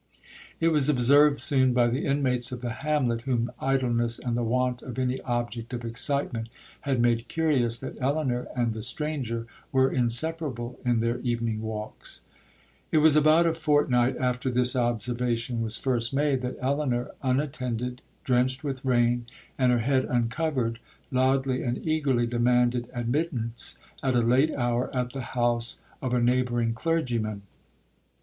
It was observed soon by the inmates of the hamlet, whom idleness and the want of any object of excitement had made curious, that Elinor and the stranger were inseparable in their evening walks. 'It was about a fortnight after this observation was first made, that Elinor, unattended, drenched with rain, and her head uncovered, loudly and eagerly demanded admittance, at a late hour, at the house of a neighbouring clergyman.